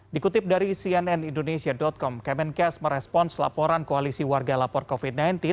dikutip dari cnn indonesia com kemenkes merespons laporan koalisi warga lapor covid sembilan belas